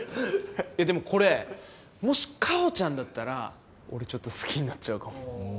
いやでもこれもし果帆ちゃんだったら俺ちょっと好きになっちゃうかも。